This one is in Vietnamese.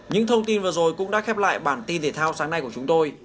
những thông tin vừa rồi cũng đã khép lại bản tin thể thao sáng nay của chúng tôi